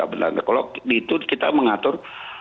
kalau itu kita mengatur